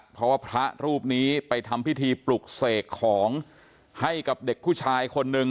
เพราะว่าพระรูปนี้ไปทำพิธีปลุกเสกของให้กับเด็กผู้ชายคนหนึ่ง